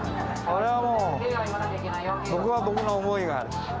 そりゃもう、僕は僕の思いがある。